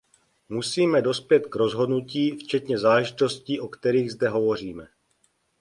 Musíme dospět k rozhodnutí, včetně záležitostí, o kterých zde hovoříme.